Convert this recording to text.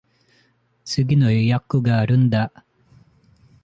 次の予約があるんだ。